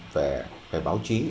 về báo chí